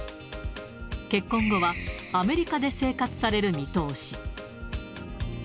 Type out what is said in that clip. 結婚後はアメリカで生活される見通し。